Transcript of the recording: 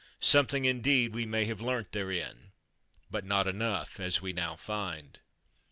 Something, indeed, we may have learnt therein, but not enough, as we now find.